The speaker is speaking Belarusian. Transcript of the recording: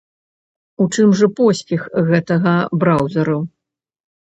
У чым жа поспех гэтага браўзэру?